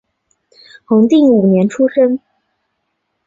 弘定五年出生。